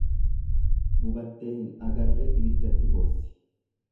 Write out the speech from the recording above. Gubattee hin agarree ibiddatti boossi.